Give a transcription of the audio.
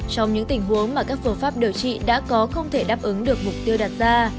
trong những tình huống mà các phương pháp điều trị đã có không thể đáp ứng được mục tiêu đặt ra